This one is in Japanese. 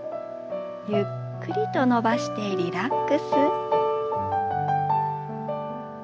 ゆっくりと伸ばしてリラックス。